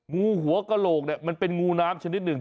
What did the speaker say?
งูหัวกระโหลกเนี่ยมันเป็นงูน้ำชนิดหนึ่ง